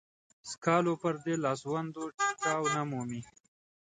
سکالو پردې لاسوندو ټيکاو نه مومي.